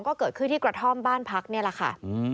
ก็เกิดขึ้นที่กระท่อมบ้านพักนี่แหละค่ะ